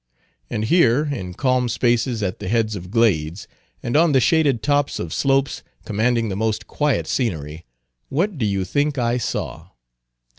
And here, in calm spaces at the heads of glades, and on the shaded tops of slopes commanding the most quiet scenery—what do you think I saw?